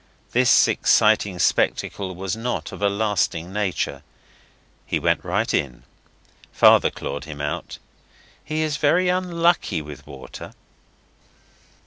This exciting spectacle was not of a lasting nature. He went right in. Father clawed him out. He is very unlucky with water.